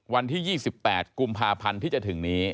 วันที่๒๘กุมภาพันธ์ที่จะถึงนี้